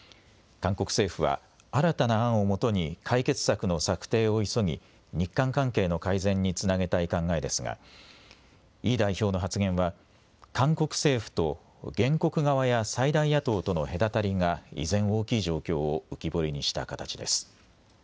韓国政府は新たな案をもとに解決策の策定を急ぎ、日韓関係の改善につなげたい考えですがイ代表の発言は韓国政府と原告側や最大野党との隔たりが依然大きい状況を浮き彫りにした形です。